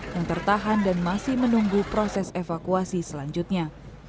yang tertahan dan masih menunggu proses evakuasi selanjutnya